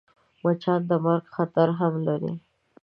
مچان د مرګ خطر هم لري